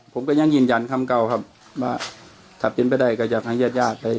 ผมก็ยังยินยันคำเก่าครับว่าถับกินไปได้กับอย่างยาดยาด